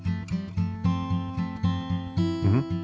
うん？